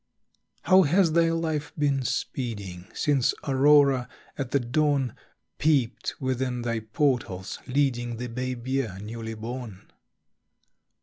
How has thy life been speeding Since Aurora, at the dawn, Peeped within thy portals, leading The babe year, newly born?